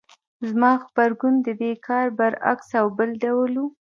زما غبرګون د دې کار برعکس او بل ډول و.